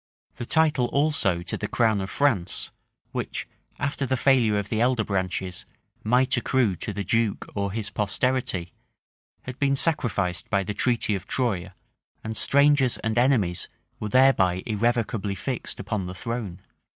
The title also to the crown of France, which, after the failure of the elder branches, might accrue to the duke or his posterity, had been sacrificed by the treaty of Troye; and strangers and enemies were thereby irrevocably fixed upon the throne.